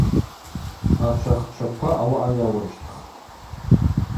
Ачвахчаква ауаъа йауырщтхтӏ.